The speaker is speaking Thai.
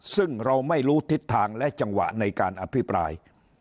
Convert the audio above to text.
ซึ่งเราไม่รู้ทิศทางและจังหวะในการอภิปราย